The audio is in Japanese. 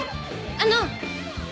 あの。